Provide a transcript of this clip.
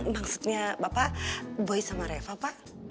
maksudnya bapak boy sama reva pak